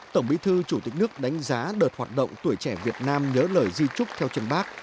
tổng bí thư chủ tịch nước đánh giá đợt hoạt động tuổi trẻ việt nam nhớ lời di trúc theo trần bác